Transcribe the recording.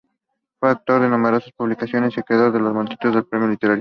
Fue autor de numerosas publicaciones y acreedor de multitud de premios literarios.